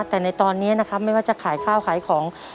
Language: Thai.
แต่ในตอนนี้นะครับไม่ว่าจะขายข้าวขายของ